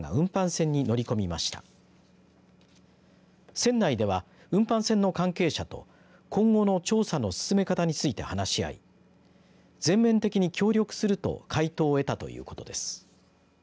船内では、運搬船の関係者と今後の調査の進め方について話し合い全面的に協力すると回答を得たということです。